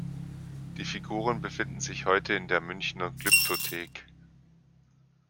Die Figuren befinden sich heute in der Münchner Glyptothek.